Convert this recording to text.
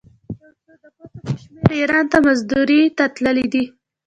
یو څو د ګوتو په شمېر ایران ته مزدورۍ ته تللي دي.